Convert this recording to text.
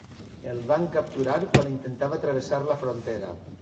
El van capturar quan intentava travessar la frontera.